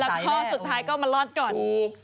แล้วข้อสุดท้ายก็มารอดก่อน